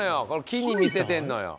木に似せてんのよ。